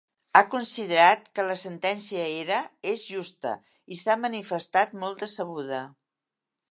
Ha considerat que la sentència era és justa i s’ha manifestat molt decebuda.